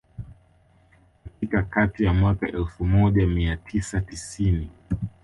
Katika kati ya mwaka Elfu moja mia tisa tisini